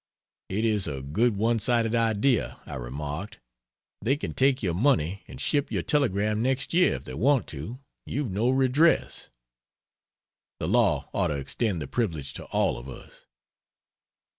"It is a good one sided idea," I remarked; "They can take your money and ship your telegram next year if they want to you've no redress. The law ought to extend the privilege to all of us."